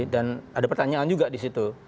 dan ada pertanyaan juga disitu